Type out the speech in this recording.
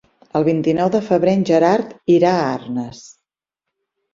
El vint-i-nou de febrer en Gerard irà a Arnes.